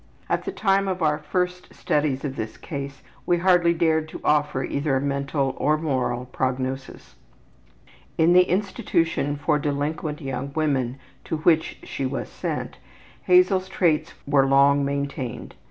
At the time of our first studies of this case we hardly dared to offer either a mental or moral prognosis. In the institution for delinquent young women to which she was sent Hazel's traits were long maintained.